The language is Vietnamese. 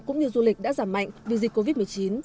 cũng như du lịch đã giảm mạnh vì dịch covid một mươi chín